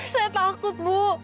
saya takut ibu